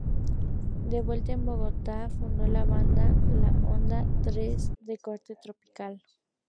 De vuelta en Bogotá, fundó la banda "La Onda Tres", de corte tropical.